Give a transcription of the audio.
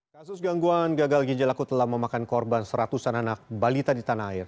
kasus gangguan gagal ginjal akut telah memakan korban seratusan anak balita di tanah air